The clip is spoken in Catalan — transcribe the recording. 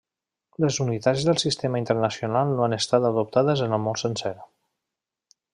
Les unitats del Sistema Internacional no han estat adoptades en el món sencer.